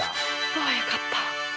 ああよかった！